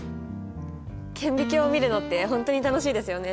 顕微鏡を見るのって本当に楽しいですよね！